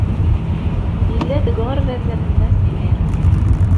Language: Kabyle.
Yella deg uɣerbaz alemmas imiren.